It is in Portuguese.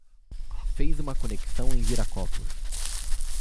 Fez uma conexão em Viracopos